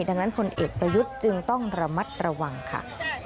ดังนั้นพลเอกประยุทธ์จึงต้องระมัดระวังค่ะ